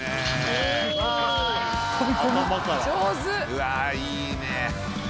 うわいいね。